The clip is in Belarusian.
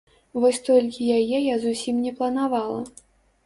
Вось толькі яе я зусім не планавала.